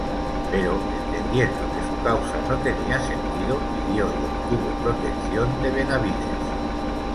Pero, entendiendo que su causa no tenía sentido, pidió y obtuvo protección de Benavídez.